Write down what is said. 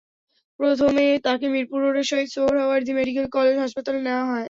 প্রথমে তাঁকে মিরপুর রোডের শহীদ সোহরাওয়ার্দী মেডিকেল কলেজ হাসপাতালে নেওয়া হয়।